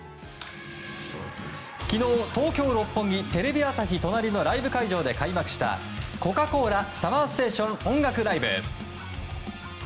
昨日、東京・六本木テレビ朝日隣のライブ会場で開幕した「コカ・コーラＳＵＭＭＥＲＳＴＡＴＩＯＮ音楽ＬＩＶＥ」。